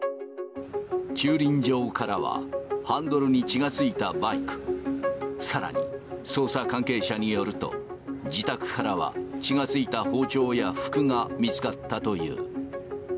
駐輪場からは、ハンドルに血がついたバイク、さらに捜査関係者によると、自宅からは血がついた包丁や服が見つかったという。